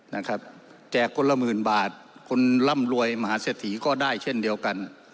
นะครับแจกคนละหมื่นบาทคนร่ำรวยมาหาเสถียร์ก็ได้เช่นเดียวกัน